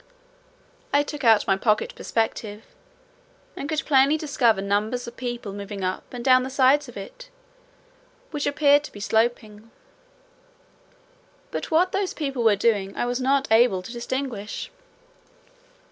I took out my pocket perspective, and could plainly discover numbers of people moving up and down the sides of it, which appeared to be sloping; but what those people were doing I was not able to distinguish.